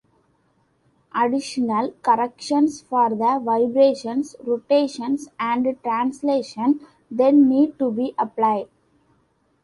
Additional corrections for the vibrations, rotations and translation then need to be applied.